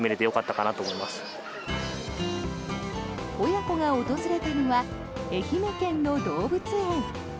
親子が訪れたのは愛媛県の動物園。